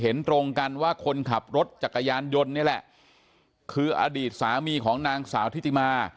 เห็นตรงกันว่าคนขับรถจักรยานยนต์นี่แหละคืออดีตสามีของนางสาวทิติมา